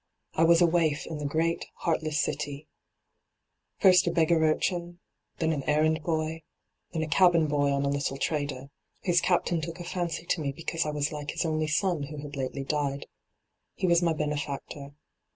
I was a waif in the great, heartless city — first a beggar urchin, then an errand boy, then a cabin boy on a little trader, whose captain took a fancy to me because I was hke his only son who had lately died. He was my benefactor.